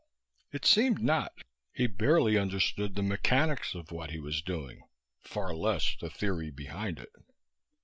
It seemed not. He barely understood the mechanics of what he was doing, far less the theory behind it.